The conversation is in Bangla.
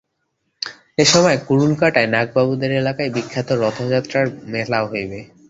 এই সময়ে কুড়ুলকাটায় নাগবাবুদের এলাকায় বিখ্যাত রথযাত্রার মেলা হইবে।